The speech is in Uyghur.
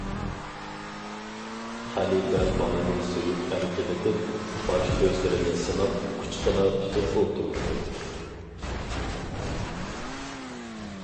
خەلىپە بالىنى سۆيۈپ ئەركىلىتىپ، باش-كۆزلىرىنى سىلاپ، قۇچىقىدا تۇتۇپ ئولتۇرۇپتۇ.